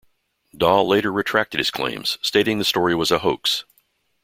Dahl later retracted his claims, stating the story was a hoax.